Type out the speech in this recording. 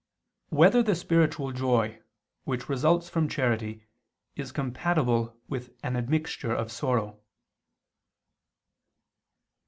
2] Whether the Spiritual Joy, Which Results from Charity, Is Compatible with an Admixture of Sorrow?